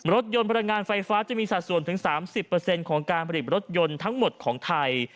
รถยนต์พลังงานไฟฟ้าจะมีสัดส่วนถึง๓๐ของการผลิตรถยนต์ทั้งหมดของไทย